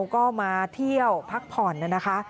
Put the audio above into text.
ก็มาเที่ยวพักผ่อนนะคะ